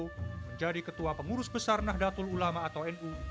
menjadi ketua pengurus besar nahdlatul ulama atau nu